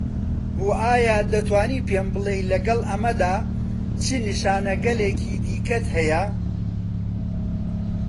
و ئایا دەتوانی پێم بڵێی لەگەڵ ئەمەدا چ نیشانەگەلێکی دیکەت هەیە؟